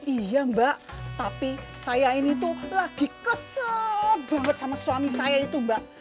iya mbak tapi saya ini tuh lagi kesel banget sama suami saya itu mbak